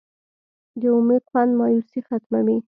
د امید خوند مایوسي ختموي.